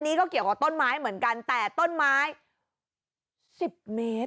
ก็เกี่ยวกับต้นไม้เหมือนกันแต่ต้นไม้สิบเมตร